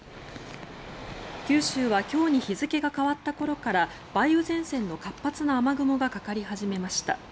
九州は今日に日付が変わった頃から梅雨前線の活発な雨雲がかかり始めました。